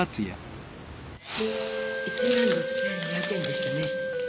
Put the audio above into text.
１万６，２００円でしたね。